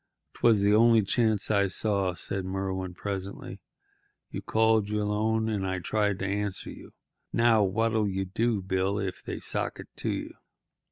"'Twas the only chance I saw," said Merwin presently. "You called your loan, and I tried to answer you. Now, what'll you do, Bill, if they sock it to you?"